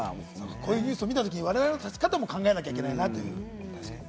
こういうニュースを見たときに我々の立ち方も考えなきゃいけない、確かに。